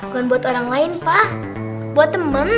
bukan buat orang lain pak buat temen